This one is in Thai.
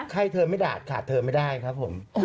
ให้เธอไม่ด่าขาดเธอไม่ได้ครับผม